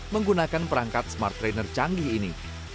menggunakan perangkat smart trainer canggih ini